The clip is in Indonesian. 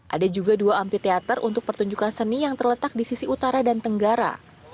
ada juga dua ampeteater untuk pertunjukan seni yang terletak di sisi utara dan tenggara